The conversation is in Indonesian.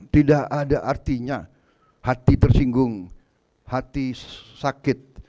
tidak ada artinya hati tersinggung hati sakit